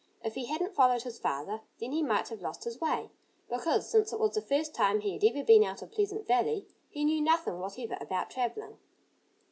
If he hadn't followed his father then he might have lost his way, because since it was the first time he had ever been out of Pleasant Valley he knew nothing whatever about travelling.